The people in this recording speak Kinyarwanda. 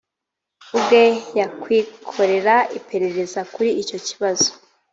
ubwe yakwikorera iperereza kuri icyo kibazo